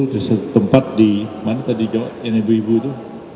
di satu tempat di mana tadi jawab yang ibu ibu itu